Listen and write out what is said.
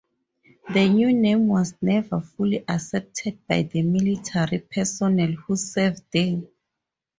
The new name was never fully accepted by the military personnel who served there.